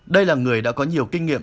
đây là người đã có nhiều kinh nghiệm